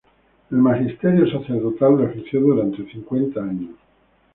El magisterio sacerdotal lo ejerció durante cincuenta años.